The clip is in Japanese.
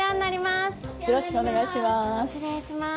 よろしくお願いします。